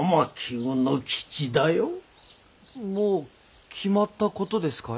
もう決まったことですかい？